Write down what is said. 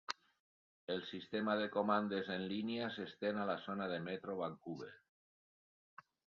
El sistema de comandes en línia s'estén a la zona de Metro Vancouver.